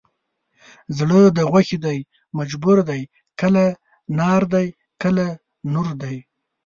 زړه د غوښې دی مجبور دی کله نار دی کله نور دی